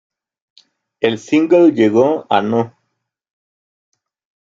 El single llegó a no.